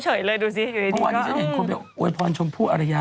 อ๋อหล่อก็นี่อยู่ทำ